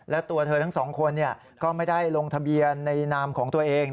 และตัวเธอทั้งสองคนก็ไม่ได้ลงทะเบียนในนามของตัวเอง